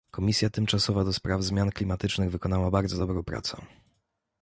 Komisja tymczasowa do spraw zmian klimatycznych wykonała bardzo dobrą pracę